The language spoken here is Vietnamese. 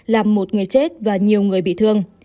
làm một người chết và nhiều người bị thương